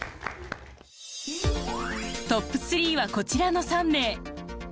トップスリーはこちらの３名。